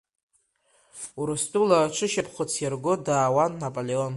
Урыстәыла аҽышьаԥхыц иарго даауан Наполеон.